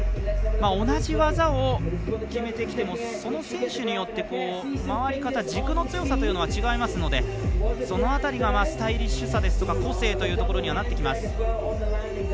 同じ技を決めてきてもその選手によって、回り方軸の強さというのは違いますのでその辺りがスタイリッシュさですとか個性というところにはなってきます。